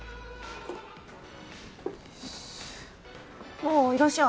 ああいらっしゃい。